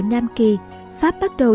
nam kỳ pháp bắt đầu